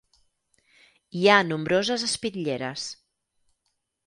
Hi ha nombroses espitlleres.